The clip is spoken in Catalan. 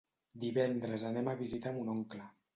Divendres anem a visitar mon oncle.